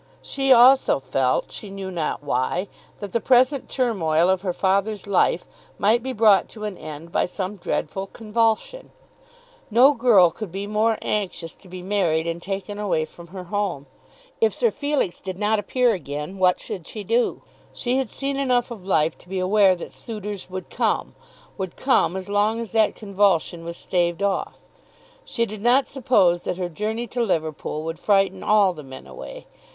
She also felt, she knew not why, that the present turmoil of her father's life might be brought to an end by some dreadful convulsion. No girl could be more anxious to be married and taken away from her home. If Sir Felix did not appear again, what should she do? She had seen enough of life to be aware that suitors would come, would come as long as that convulsion was staved off. She did not suppose that her journey to Liverpool would frighten all the men away.